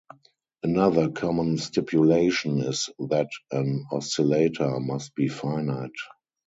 Another common stipulation is that an oscillator must be finite.